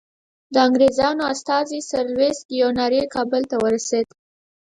د انګریزانو استازی سر لویس کیوناري کابل ته ورسېد.